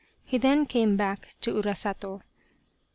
He then came back to Urasato.